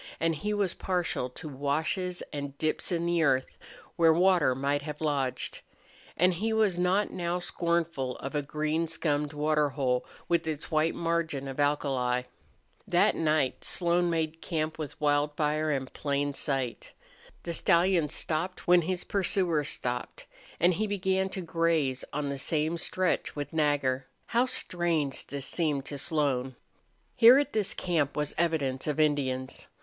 And he was partial to washes and dips in the earth where water might have lodged. And he was not now scornful of a green scummed water hole with its white margin of alkali. That night Slone made camp with Wildfire in plain sight. The stallion stopped when his pursuers stopped. And he began to graze on the same stretch with Nagger. How strange this seemed to Slone! Here at this camp was evidence of Indians.